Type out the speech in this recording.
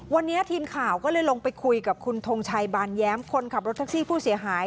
วันนี้ทีมข่าวก็เลยลงไปคุยกับคุณทงชัยบานแย้มคนขับรถแท็กซี่ผู้เสียหาย